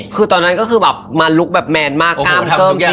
คือตอนนั้นก็คือแบบมาลุคแบบแมนมากอ้าวโหทำทุกอย่าง